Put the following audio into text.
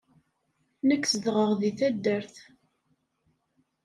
Nekk zedɣeɣ deg taddart.